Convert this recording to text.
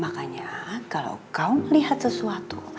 makanya kalau kau lihat sesuatu